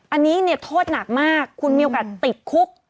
อันนี้เนี่ยโทษหนักมากคุณมีโอกาสติดคุก